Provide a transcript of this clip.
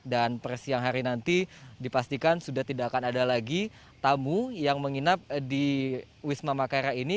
dan persiang hari nanti dipastikan sudah tidak akan ada lagi tamu yang menginap di wisma makara ini